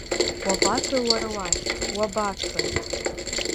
Уабацои уара уахь, уабацои?